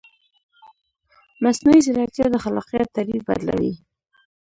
مصنوعي ځیرکتیا د خلاقیت تعریف بدلوي.